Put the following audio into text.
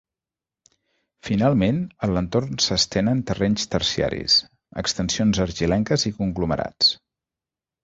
Finalment, en l'entorn s'estenen terrenys terciaris: extensions argilenques i conglomerats.